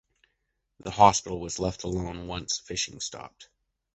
The hospital was left alone once fishing stopped.